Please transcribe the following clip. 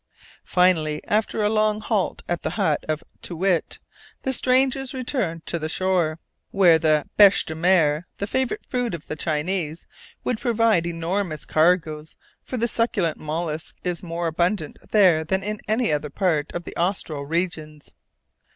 Finally, after a long halt at the hut of Too Wit, the strangers returned to the shore, where the "bêche de mer" the favourite food of the Chinese would provide enormous cargoes; for the succulent mollusk is more abundant there than in any other part of the austral regions.